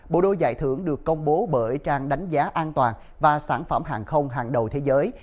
bộ đôi giải thưởng được công bố bởi trang đánh giá an toàn và sản phẩm hàng không hàng đầu thế giới